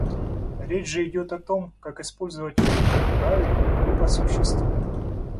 Речь же идет о том, как использовать время — правильно и по существу.